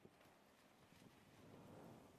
Todas las canciones escritas por The Stooges.